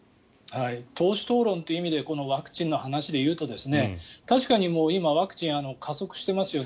党首討論という意味でワクチンの話でいうと確かに今、ワクチン加速していますよね。